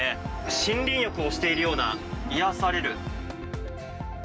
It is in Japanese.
森林浴をしているような、癒やされる！